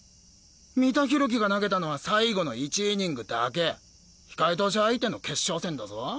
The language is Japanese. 三田浩樹が投げたのは最後の１イニングだけ控え投手相手の決勝戦だぞ。